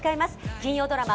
金曜ドラマ